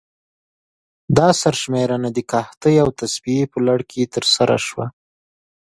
دا سرشمېرنه د قحطۍ او تصفیې په لړ کې ترسره شوه.